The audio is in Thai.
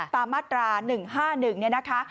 ตามมาตรา๑๕๑เนี่ยนะคะ